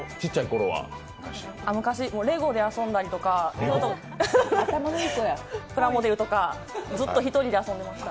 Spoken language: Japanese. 昔、レゴで遊んだりとかプラモデルとかずっと１人で遊んでました。